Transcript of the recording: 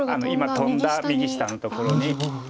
今トンだ右下のところに。